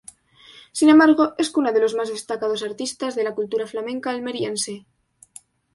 Sin embargo, es cuna de los más destacados artistas de la cultura flamenca almeriense.